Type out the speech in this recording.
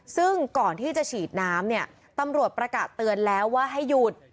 ซึ่งก่อนที่จะฉีดน้ำเนี่ยตำรวจประกาศเตือนแล้วว่าให้หยุด